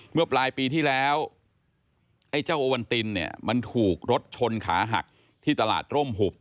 เมื่อปลายปีที่แล้วไอ้เจ้าโอวันตินเนี่ยมันถูกรถชนขาหักที่ตลาดร่มหุบ